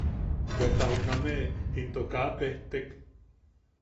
Bweta junameʼe into kaa pejtek.